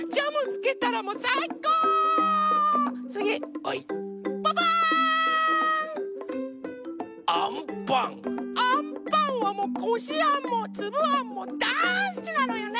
アンパンはもうこしあんもつぶあんもだいすきなのよね。